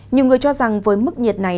nhiều người cho rằng với mức nhiệt này